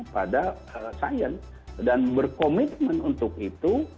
pada sains dan berkomitmen untuk itu